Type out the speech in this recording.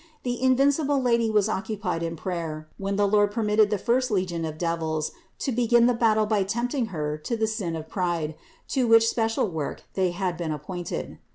The invincible Lady was occupied in prayer, when the Lord permitted the first legion of devils to begin the battle by tempting Her to the sin of pride, to which special work they had been appointed.